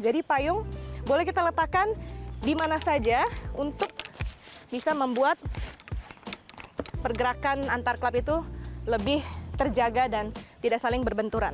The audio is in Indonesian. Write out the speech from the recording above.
jadi payung boleh kita letakkan di mana saja untuk bisa membuat pergerakan antar club itu lebih terjaga dan tidak saling berbenturan